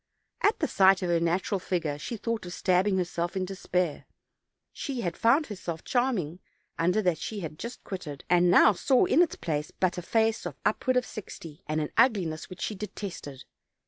At the sight of her natural figure she thought of stabbing herself in de spair; she had found herself charming under that she had just quitted, and now saw in its place but a face of upward of sixty, and an ugliness which she detested.